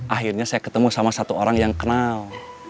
akhirnya saya ketemu sama satu orang yang kenal